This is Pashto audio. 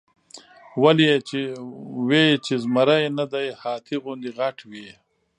وې ئې چې زمرے نۀ د هاتي غوندې غټ وي ،